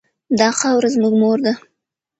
دا خاوره زموږ مور ده.